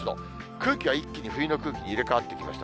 空気は一気に冬の空気に入れ代わってきました。